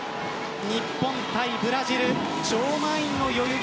日本対ブラジル超満員の代々木